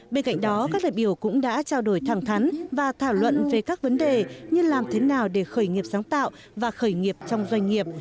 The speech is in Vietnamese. bên cạnh đó các đại biểu cũng đã trao đổi thẳng thắn và thảo luận về các vấn đề như làm thế nào để khởi nghiệp sáng tạo và khởi nghiệp trong doanh nghiệp